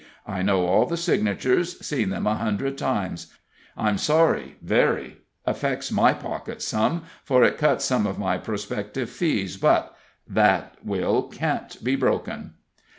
"I know all the signatures; seen them a hundred times. I'm sorry, very affects my pocket some, for it cuts some of my prospective fees, but that will can't be broken."